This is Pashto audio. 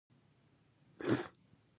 چرګان د افغانستان د پوهنې نصاب کې شامل دي.